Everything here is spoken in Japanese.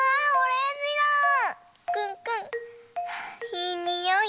いいにおい。